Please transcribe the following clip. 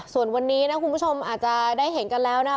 ส่วนวันนี้นะคุณผู้ชมอาจจะได้เห็นกันแล้วนะครับ